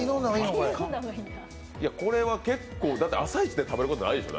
これは結構、だって朝イチで食べることはないでしょ？